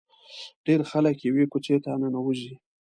ډېر خلک یوې کوڅې ته ننوځي.